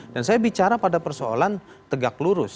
dan saya bicara pada persoalan tegak lurus